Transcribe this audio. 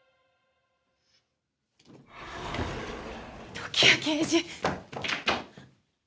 時矢刑事。